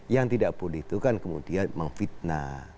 yang tidak boleh itu kan kemudian memfitnah